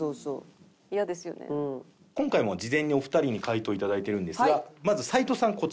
今回も事前にお二人に回答いただいてるんですがまず齊藤さん